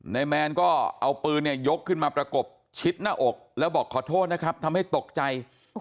แมนก็เอาปืนเนี่ยยกขึ้นมาประกบชิดหน้าอกแล้วบอกขอโทษนะครับทำให้ตกใจ